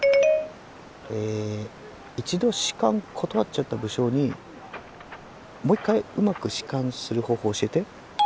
え一度仕官断っちゃった武将にもう一回うまく仕官する方法を教えて。